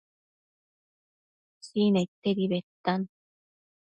Sinaidtedi bedtan